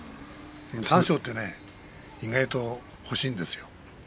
三賞は意外と欲しいんですよ